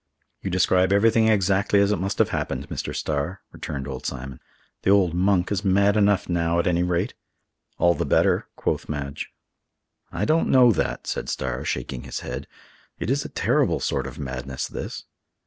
"You describe everything exactly as it must have happened, Mr. Starr," returned old Simon. "The old 'Monk' is mad enough now, at any rate!" "All the better," quoth Madge. "I don't know that," said Starr, shaking his head; "it is a terrible sort of madness this."